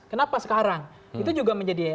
kenapa sekarang itu juga menjadi